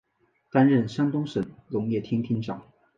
担任山东省农业厅厅长。